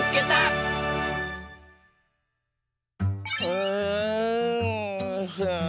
うん。